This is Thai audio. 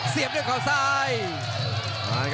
เสียงด้วยข้าวซ้าย